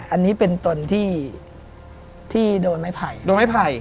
อันนี้เป็นตนที่โดนไม่ไผ่